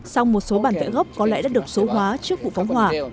song một số bản vẽ gốc có lẽ đã được số hóa trước vụ phóng hỏa